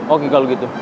oke kalau gitu